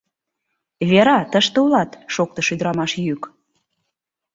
— Вера, тыште улат? — шоктыш ӱдырамаш йӱк.